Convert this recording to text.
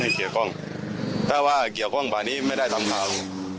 เกี่ยวข้องถ้าว่าเกี่ยวข้องป่านี้ไม่ได้ทำข่าว